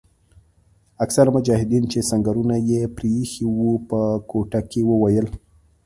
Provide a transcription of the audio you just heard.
اکثره مجاهدین چې سنګرونه یې پریښي وو په کوټه کې وویل.